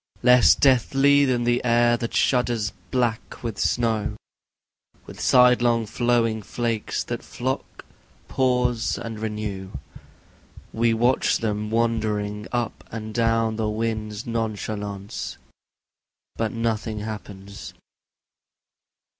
Less deadly than the air that shudders black with snow, With sidelong flowing flakes that flock, pause and renew, We watch them wandering up and down the wind's nonchalance, But nothing happens.